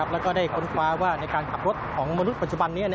แล้วก็ได้ค้นคว้าว่าในการขับรถของมนุษย์ปัจจุบันนี้